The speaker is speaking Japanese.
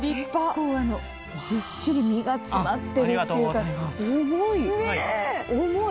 結構ずっしり身が詰まっているっていうか重い。